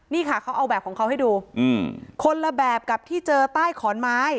นี่ค่ะเขาเอาแบบของเขาให้ดูคนละแบบกับที่เจอใต้ขอนไม้